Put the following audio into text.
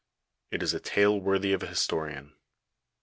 It is a tale worthy of an historian.